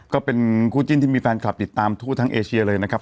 ก็เป็นคู่จิ้นที่มีแฟนคลับติดตามทั่วทั้งเอเชียเลยนะครับ